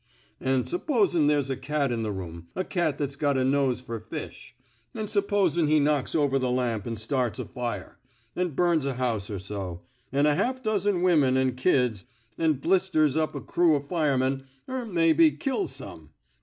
An' supposin' there's a cat in the room — a cat that's got a nose fer fish — an' supposin' he knocks over the lamp an' starts a fire — an' bums a house er so, an' a half dozen women an' kids — an' blisters up a crew o' firemen — er maybe kills some.